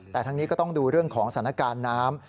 แต่ทั้งนี้ก็ต้องดูเรื่องของสถานการณ์น้ำ